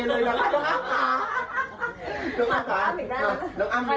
เล่กกันสิต้องค่าคุณจะเป็นเท่าไหร่นะคะเข้าสนา